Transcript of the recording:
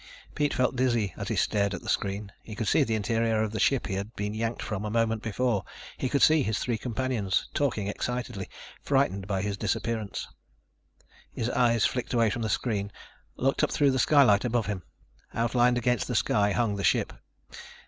Pete felt dizzy as he stared at the screen. He could see the interior of the ship he had been yanked from a moment before. He could see his three companions, talking excitedly, frightened by his disappearance. His eyes flicked away from the screen, looked up through the skylight above him. Outlined against the sky hung the ship.